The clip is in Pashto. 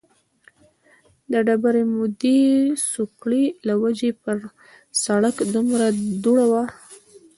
د ډېرې مودې سوکړې له وجې په سړک دومره دوړه وه